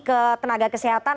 ke tenaga kesehatan